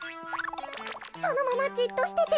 そのままじっとしてて。